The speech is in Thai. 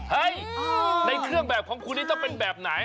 ในเครื่องแบบของคุณนี่ต้องเป็นแบบไหน